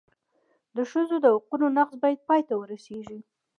د ښځو د حقونو نقض باید پای ته ورسېږي.